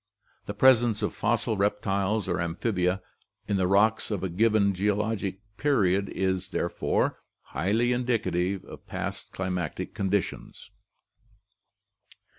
The presence of fossil reptiles or amphibia in the rocks of a given geo logic period is, therefore, highly indicative of past climatic condi tions.